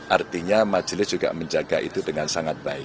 artinya majelis juga menjaga itu dengan sangat baik